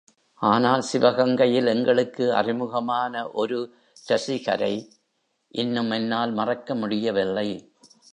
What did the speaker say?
ஆனால் சிவகங்கையில் எங்களுக்கு அறிமுகமான ஒரு இரசிகரை இன்னும் என்னால் மறக்க முடிய வில்லை.